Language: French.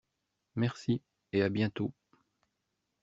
Merci! Et à bientôt!